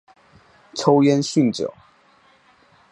抽烟酗酒